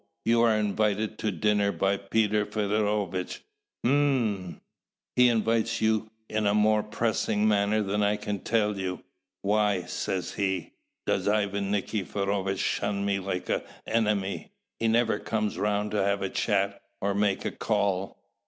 You are invited to dinner by Peter Feodorovitch." "Hm!" "He invited you in a more pressing manner than I can tell you. 'Why,' says he, 'does Ivan Nikiforovitch shun me like an enemy? He never comes round to have a chat, or make a call.